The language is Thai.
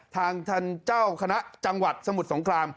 ทางท่านเจ้าคณะจังหวัดสมุทรสงคราม